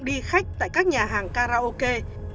đi khách tại các nhà hàng karaoke